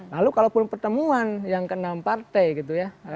lalu kalaupun pertemuan yang ke enam partai gitu ya